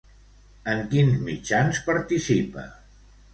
En quins mitjans participa?